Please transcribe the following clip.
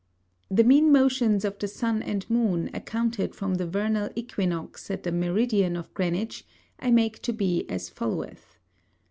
The mean Motions of the Sun and Moon, accounted from the Vernal Æquinox at the Meridian of Greenwich, I make to be as followeth.